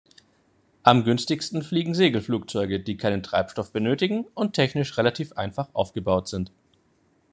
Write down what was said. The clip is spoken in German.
Am günstigsten fliegen Segelflugzeuge, die keinen Treibstoff benötigen und technisch relativ einfach aufgebaut sind.